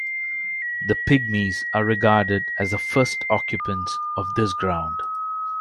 The Pygmies are regarded as the first occupants of this ground.